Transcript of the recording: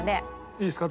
いいですか？